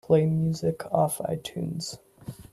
Play music off Itunes.